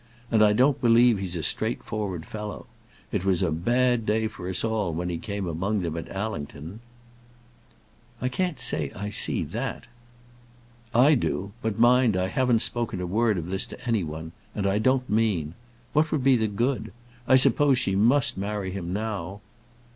And I don't believe he's a straightforward fellow. It was a bad day for us all when he came among them at Allington." "I can't say that I see that." "I do. But mind, I haven't spoken a word of this to any one. And I don't mean. What would be the good? I suppose she must marry him now?"